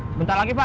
sebentar lagi pak